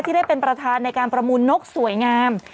ได้เป็นประธานในการประมูลนกสวยงาม